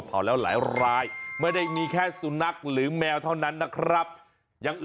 ถ้าเลี้ยงเหมือนน้อง